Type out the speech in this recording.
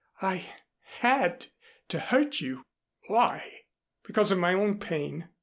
I had to hurt you." "Why?" "Because of my own pain.